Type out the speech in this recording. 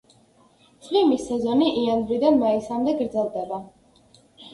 წვიმის სეზონი იანვრიდან მაისამდე გრძელდება.